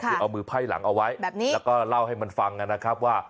คือเอามือไพ่หลังเอาไว้แบบนี้แล้วก็เล่าให้มันฟังนะครับว่า